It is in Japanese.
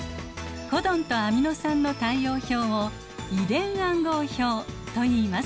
コドンとアミノ酸の対応表を遺伝暗号表といいます。